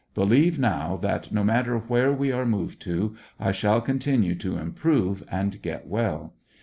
Believe now that no matter where we are moved to, I shall con tinue to improve, and get well.